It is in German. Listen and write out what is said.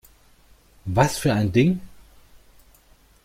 Was für ein Ding?